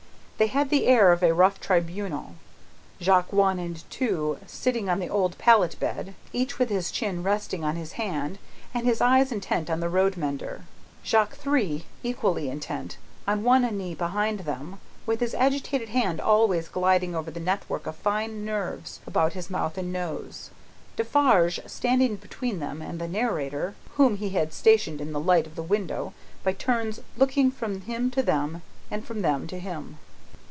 They had the air of a rough tribunal; Jacques One and Two sitting on the old pallet bed, each with his chin resting on his hand, and his eyes intent on the road mender; Jacques Three, equally intent, on one knee behind them, with his agitated hand always gliding over the network of fine nerves about his mouth and nose; Defarge standing between them and the narrator, whom he had stationed in the light of the window, by turns looking from him to them, and from them to him.